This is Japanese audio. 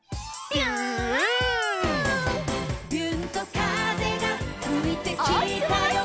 「びゅーんと風がふいてきたよ」